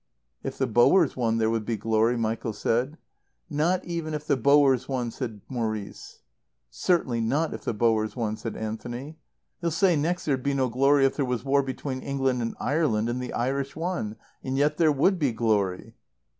"If the Boers won there would be glory," Michael said. "Not even if the Boers won," said Maurice. "Certainly not if the Boers won," said Anthony. "You'll say next there'd be no glory if there was war between England and Ireland and the Irish won. And yet there would be glory."